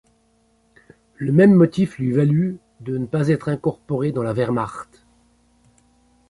Le même motif lui valut de ne pas être incorporé dans la Wehrmacht.